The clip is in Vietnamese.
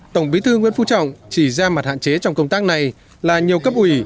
tổng bí thư nguyễn phú trọng chỉ ra mặt hạn chế trong công tác này là nhiều cấp ủy